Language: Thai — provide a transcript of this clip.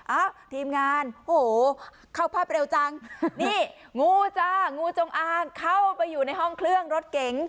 ทีมงานโอ้โหเข้าภาพเร็วจังนี่งูจ้างูจงอางเข้าไปอยู่ในห้องเครื่องรถเก๋ง